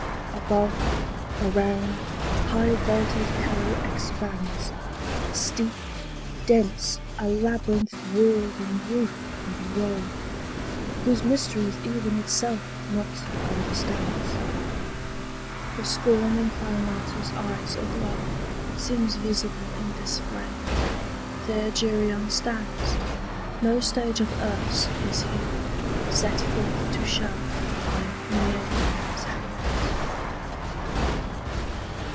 Above, around, high vaulted hell expands, Steep, dense, a labyrinth walled and roofed with woe, Whose mysteries even itself not understands. The scorn in Farinata's eyes aglow Seems visible in this flame: there Geryon stands: No stage of earth's is here, set forth to show By mere men's hands.